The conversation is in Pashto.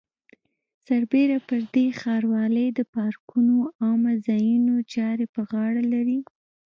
سربېره پر دې ښاروالۍ د پارکونو او عامه ځایونو چارې په غاړه لري.